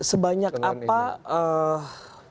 sebanyak apa penerbitan kartu kredit dalam mega travel fair ini